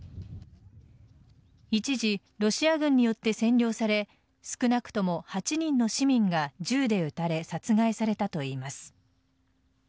一時、ロシア軍によって占領され少なくとも８人の市民が銃で撃たれ殺害されたといいます。